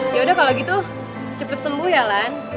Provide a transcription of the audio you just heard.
yaudah kalau gitu cepet sembuh ya lan